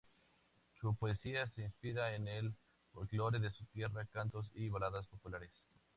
Su poesía se inspira en el folklore de su tierra, cantos y baladas populares.